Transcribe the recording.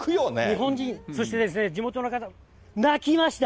日本人、そして地元の方、泣きました！